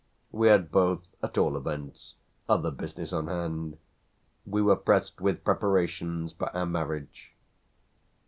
We had both at all events other business on hand; we were pressed with preparations for our marriage.